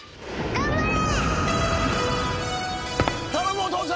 頑張れ！